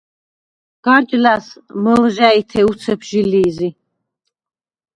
გარჯ ლას მჷლჟაჲთე უცეფ ჟი ლი̄ზი.